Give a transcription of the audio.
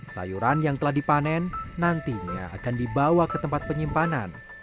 sayuran yang telah dipanen nantinya akan dibawa ke tempat penyimpanan